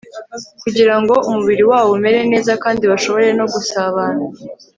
kugira ngo umubiri wabo umere neza kandi bashobore no gusabana